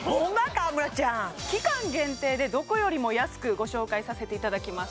河邑ちゃん期間限定でどこよりも安くご紹介させていただきます